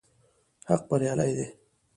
حق بريالی دی